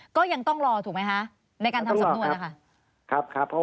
ก็ยังต้องรอถูกไหมคะในการทำสำนวนนะคะ